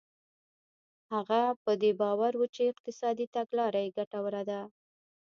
هغه په دې باور و چې اقتصادي تګلاره یې ګټوره ده.